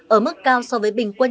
ở mức cao so với bình quân